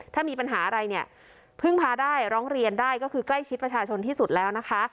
ถ้ามีปัญหาอะไรเนี่ยพึ่งพาได้ร้องเรียนได้ก็คือใกล้ชิดประชาชนที่สุดแล้วนะคะ